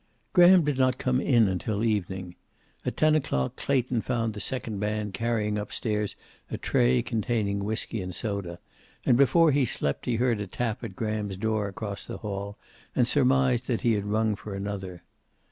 Graham did not come in until evening. At ten o'clock Clayton found the second man carrying up stairs a tray containing whisky and soda, and before he slept he heard a tap at Graham's door across the hall, and surmised that he had rung for another.